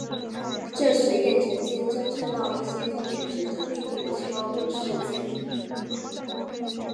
这实验曾经侦测到一些特别值得注意的超额事件。